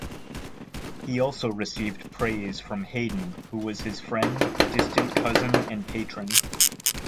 He also received praise from Haydn who was his friend, distant cousin and patron.